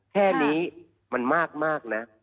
แค่นี้มันมากนะ